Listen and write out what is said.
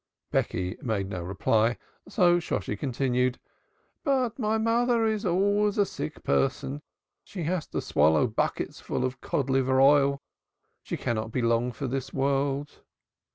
Becky made no reply, so Shosshi continued: "But my mother is always a sick person. She has to swallow bucketsful of cod liver oil. She cannot be long for this world."